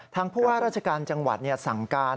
ผู้ว่าราชการจังหวัดสั่งการ